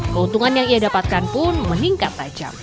keuntungan yang ia dapatkan pun meningkat tajam